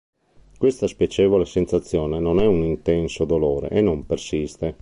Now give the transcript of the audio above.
Questa spiacevole sensazione non è un intenso dolore e non persiste.